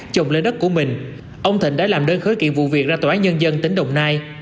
chồng lên đất của mình ông thịnh đã làm đơn khởi kiện vụ việc ra tòa án nhân dân tỉnh đồng nai